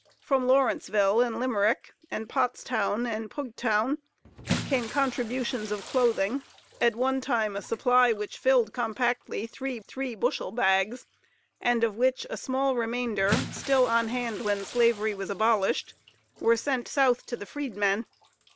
From Lawrenceville and Limerick, and Pottstown and Pughtown, came contributions of clothing; at one time a supply which filled compactly three three bushel bags, and of which a small remainder, still on hand when slavery was abolished, was sent South to the freedmen.